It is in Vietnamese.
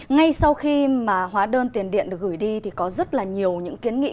ngay sau khi mà hóa đơn tiền điện được gửi đi thì có rất là nhiều những kiến nghị